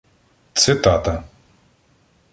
Цитата